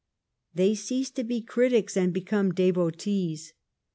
They cease to be critics and become devotees.